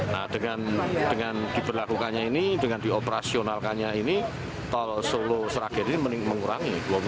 nah dengan diberlakukannya ini dengan dioperasionalkannya ini tol solo sragen ini mengurangi